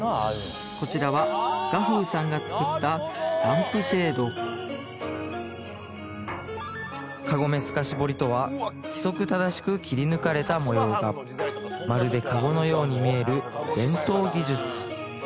こちらは雅楓さんが作ったランプシェード籠目透かし彫りとは規則正しく切り抜かれた模様がまるで籠のように見える伝統技術